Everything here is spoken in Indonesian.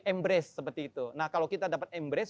embrace seperti itu nah kalau kita dapat embrace